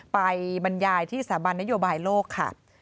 บรรยายที่สถาบันนโยบายโลกค่ะ